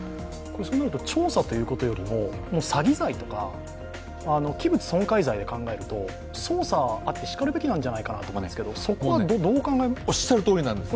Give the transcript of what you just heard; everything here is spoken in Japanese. そうなると調査ということよりも詐欺罪とか器物損壊罪で考えると、捜査があってしかるべきじゃないかと思うんですけどそこはどうお考えですか？